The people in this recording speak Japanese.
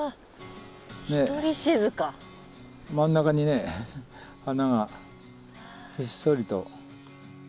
真ん中にね花がひっそりと。